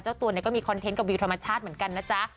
เจ้าตัวก็มีคอนเทนต์กับวิวธรรมชาติเหมือนกันนะจ๊ะ